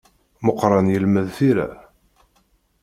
Meqqran yelmed tira.